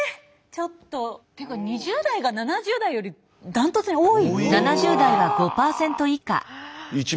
ちょっとていうか２０代が７０代よりダントツに多いっていう。